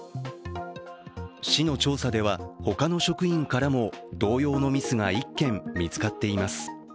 市の調査では、ほかの職員からも同様のミスが１件見つかっています。